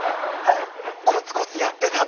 コツコツやってたんだ！